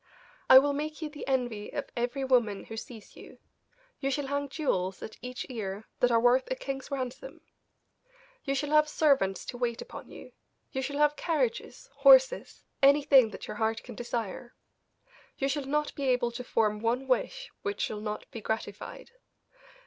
I will make you the envy of every woman who sees you; you shall hang jewels at each ear that are worth a king's ransom; you shall have servants to wait upon you; you shall have carriages, horses, anything that your heart can desire. You shall not be able to form one wish which shall not be gratified.